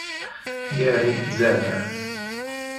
Gary Zeller